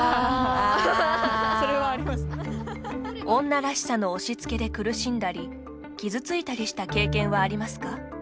女らしさの押しつけで苦しんだり傷ついたりした経験はありますか？